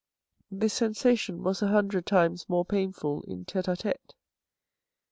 This sensation was a huudred times more painful in tete a tete.